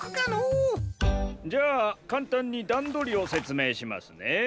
じゃあかんたんにだんどりをせつめいしますね。